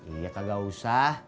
iya kak gak usah